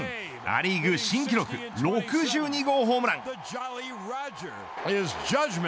ア・リーグ新記録６２号ホームラン。